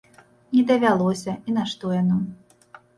Не давялося, і нашто яно?